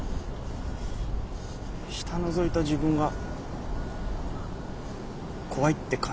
下のぞいた自分が怖いって感じれてよかった。